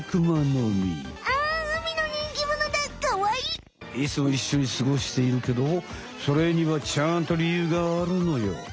いつもいっしょに過ごしているけどそれにはちゃんとりゆうがあるのよ！